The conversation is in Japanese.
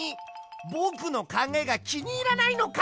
ぼくのかんがえがきにいらないのか？